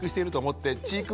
って。